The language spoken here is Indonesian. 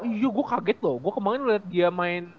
iya gua kaget loh gua kemaren liat dia main